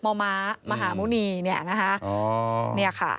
พ่อปู่มหามุณีอริยดาบทค่ะมมมเนี่ยค่ะ